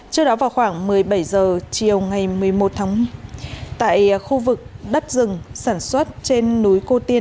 trước đó vào khoảng một mươi bảy h chiều ngày một mươi một tháng tại khu vực đất rừng sản xuất trên núi cô tiên